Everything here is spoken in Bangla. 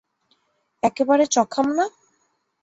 একেবারে চখাম না?